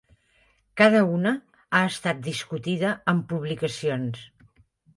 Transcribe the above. Cada una ha estat discutida en publicacions.